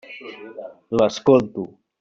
L'escolto.